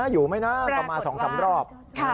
อยู่ไหมนะต่อมาสองสามรอบ